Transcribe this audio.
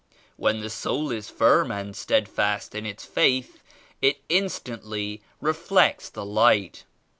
When the soul is firm and steadfast in its Faith, it instantly reflects the Light.